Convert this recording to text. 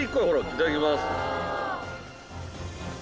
いただきます。